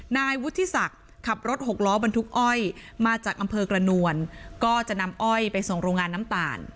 นายวุฒิศักดิ์ขับรถหกล้อบรรทุกอ้อยมาจากอำเภอกระนวลก็จะนำอ้อยไปส่งโรงงานน้ำตาล